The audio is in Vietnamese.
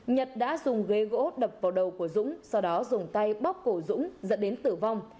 nhật đã dùng ghế gỗ đập vào đầu của dũng sau đó dùng tay bóc cổ dũng dẫn đến tử vong